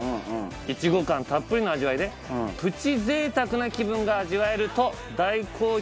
いちご感たっぷりの味わいでプチ贅沢な気分が味わえると大好評の商品です。